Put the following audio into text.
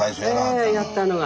ええやったのが。